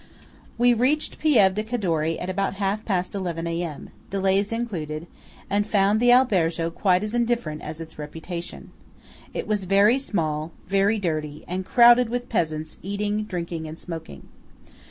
We reached Pieve di Cadore about half past eleven A.M.; delays included, and found the albergo quite as indifferent as its reputation. It was very small, very dirty, and crowded with peasants eating, drinking, and smoking.